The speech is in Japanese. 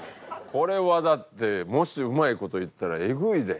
これはだってもしうまい事いったらエグいで。